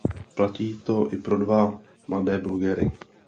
Platí to i pro dva mladé bloggery.